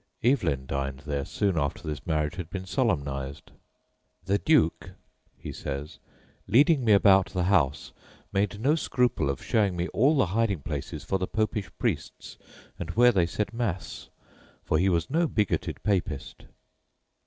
Evelyn dined there soon after this marriage had been solemnised. "The Duke," he says, "leading me about the house made no scruple of showing me all the hiding places for the Popish priests and where they said Masse, for he was no bigoted Papist."